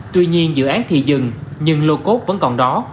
tuy nhiên dự án thì dừng nhưng lô cốt vẫn còn đó